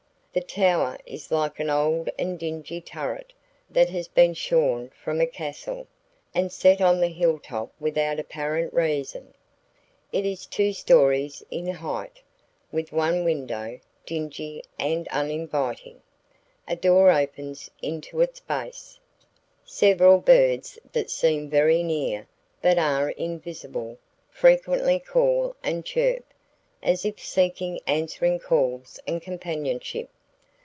The tower is like an old and dingy turret that has been shorn from a castle, and set on the hilltop without apparent reason. It is two stories in height, with one window, dingy and uninviting. A door opens into its base. Several birds that seem very near, but are invisible, frequently call and chirp, as if seeking answering calls and companionship.